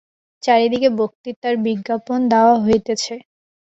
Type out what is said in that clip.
চারিদিকে বক্তৃতার বিজ্ঞাপন দেওয়া হইতেছে।